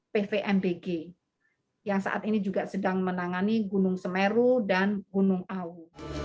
pvmbg yang saat ini juga sedang menangani gunung semeru dan gunung au